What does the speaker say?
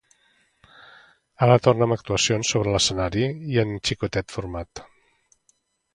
Ara torna, amb actuacions sobre l’escenari, i en xicotet format.